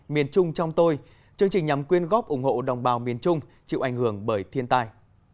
miền trung trong tôi chương trình nhằm quyên góp ủng hộ đồng bào miền trung chịu ảnh hưởng bởi thiên tai